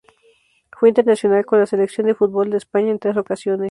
Fue internacional con la Selección de fútbol de España en tres ocasiones.